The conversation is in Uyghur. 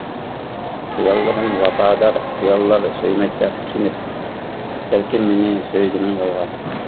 خىياللىرىم ۋاپادار خىياللار سۆيمەكتە قېنىپ، بەلكىم مېنى سۆيگىنىڭ يالغان.